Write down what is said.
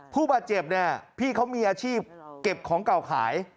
ผู้บาดเจ็บเนี่ยพี่เขามีอาชีพเก็บของเก่าขาย